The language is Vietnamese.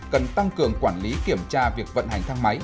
cần tăng cường quản lý kiểm tra việc vận hành thăng máy